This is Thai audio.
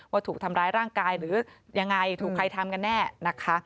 ว่าถูกทำร้ายร่างกายหรือยังไงถูกใครทำกันแน่นะคะ